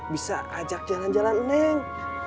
bisa ajak jalan jalan neng